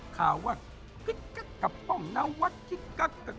ข่าวว่ากกกกกับป้อมนาวัดกกกกกกกกกกก